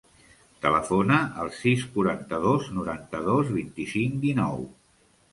Telefona al sis, quaranta-dos, noranta-dos, vint-i-cinc, dinou.